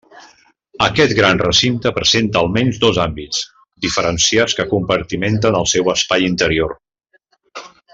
Aquest gran recinte presenta almenys dos àmbits diferenciats que compartimenten el seu espai interior.